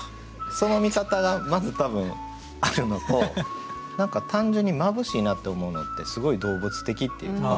その見方がまず多分あるのと何か単純に眩しいなって思うのってすごい動物的っていうか。